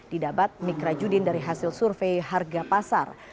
didapat mikra judin dari hasil survei harga pasar